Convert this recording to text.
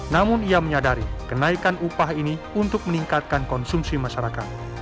namun ia menyadari kenaikan upah ini untuk meningkatkan konsumsi masyarakat